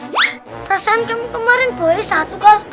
perasaan kamu kemarin boleh satu kan